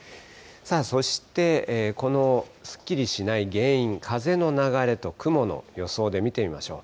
そしてこのすっきりしない原因、風の流れと雲の予想で見てみましょう。